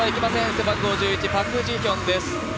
背番号１１パク・ジヒョンです。